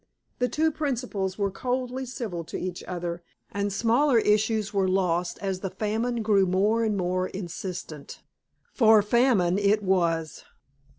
The two principals were coldly civil to each other, and smaller issues were lost as the famine grew more and more insistent. For famine it was.